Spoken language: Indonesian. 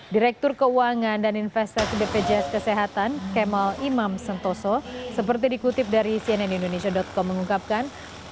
direktur keuangan dan investasi bpjs kesehatan kemal imam sentoso seperti dikutip dari cnn indonesia com mengungkapkan